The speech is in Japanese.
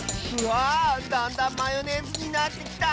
わあだんだんマヨネーズになってきた！